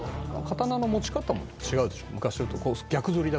刀の持ち方も違うでしょ。